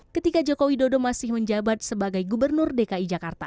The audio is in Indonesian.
ketika jokowi dodo masih menjabat sebagai gubernur dki jakarta